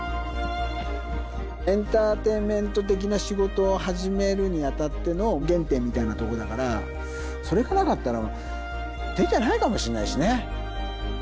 エンターテインメント的な仕事を始めるにあたっての原点みたいなとこだから、それがなかったら、出てないかもしんないしね。